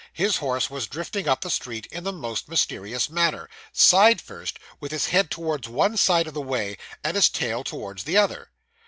His horse was drifting up the street in the most mysterious manner side first, with his head towards one side of the way, and his tail towards the other.